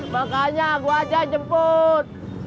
makanya gue aja jemput